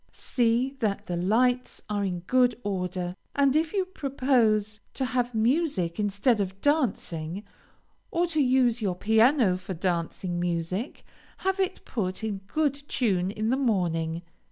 See that the lights are in good order, and if you propose to have music instead of dancing, or to use your piano for dancing music, have it put in good tune in the morning.